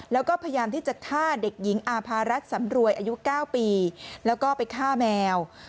แล้วก็พยายามที่จะฆ่าเด็กหญิงอาภารัฐสำรวยอายุ๙ปีแล้วก็ไปฆ่าแมว